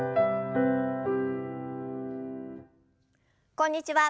こんにちは